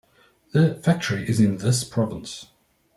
The factory is in this province.